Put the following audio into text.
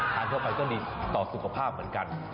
ทานเข้าไปก็ดีต่อสุขภาพเหมือนกัน